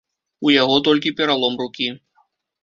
У яго толькі пералом рукі.